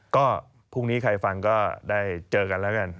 ก็พรุ่งนี้ใครฟังก็ได้เจอกันแล้วกัน